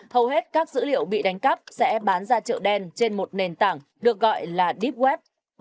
hầu hết các dữ liệu bị đánh cắp sẽ bán ra trợ đen trên một nền tảng được gọi là deep web